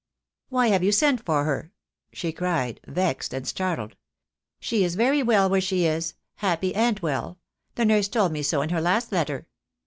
"Why have you sent for her?" she cried, vexed and startled. "She is very well where she is — happy and well. The nurse told me so in her last letter.